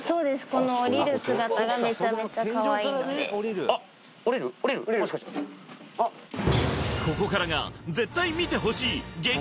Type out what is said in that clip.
このここからが絶対見てほしい激